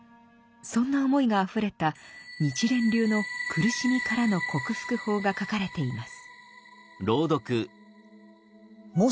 そんな思いがあふれた日蓮流の苦しみからの克服法が書かれています。